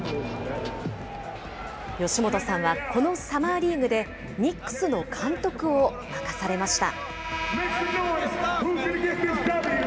吉本さんはこのサマーリーグで、ニックスの監督を任されました。